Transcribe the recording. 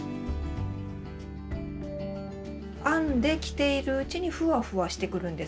編んで着ているうちにふわふわしてくるんですね。